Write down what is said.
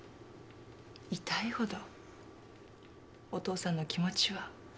痛いほどお父さんの気持ちは。